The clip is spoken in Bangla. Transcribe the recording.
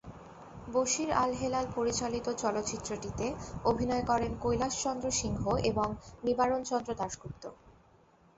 বশীর আল-হেলাল পরিচালিত চলচ্চিত্রটিতে অভিনয় করেন কৈলাসচন্দ্র সিংহ এবং নিবারণচন্দ্র দাশগুপ্ত।